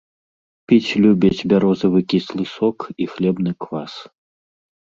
Піць любіць бярозавы кіслы сок і хлебны квас.